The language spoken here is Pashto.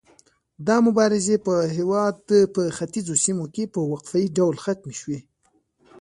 دا مبارزې په هیواد په ختیځو سیمو کې په وقفه يي ډول ختمې شوې.